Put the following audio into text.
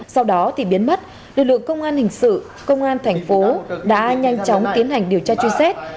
sau đó thì biến mất lực lượng công an hình sự công an tp đã nhanh chóng tiến hành điều tra chuyên xét